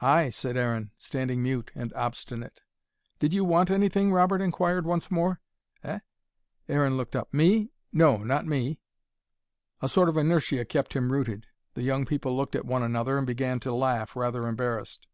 "Ay," said Aaron, standing mute and obstinate. "Did you want anything?" Robert enquired once more. "Eh?" Aaron looked up. "Me? No, not me." A sort of inertia kept him rooted. The young people looked at one another and began to laugh, rather embarrassed.